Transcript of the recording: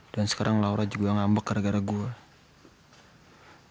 dan sekarang laura juga ngambek gara gara gue